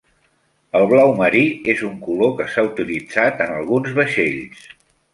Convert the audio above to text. El blau marí és un color que s'ha utilitzat en alguns vaixells.